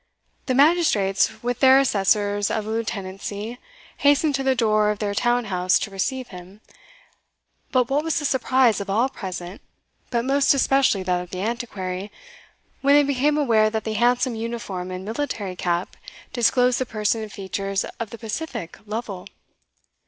The magistrates, with their assessors of the lieutenancy, hastened to the door of their town house to receive him; but what was the surprise of all present, but most especially that of the Antiquary, when they became aware, that the handsome uniform and military cap disclosed the person and features of the pacific Lovel!